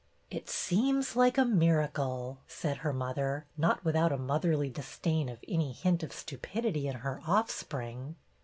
" It seems like a miracle," said her mother, not without a motherly disdain of any hint of stupidity in her offspring.